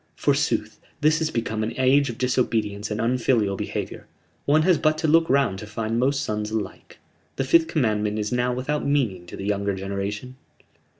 Forsooth, this has become an age of disobedience and unfilial behavior; one has but to look round to find most sons alike. The Fifth Commandment is now without meaning to the younger generation."